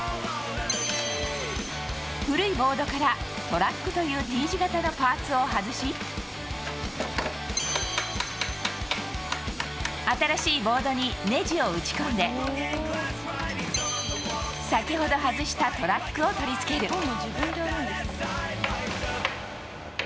古いボードからトラックというＴ字形のパーツを外し新しいボードにねじを打ち込んで先ほど外したトラックを取り付ける。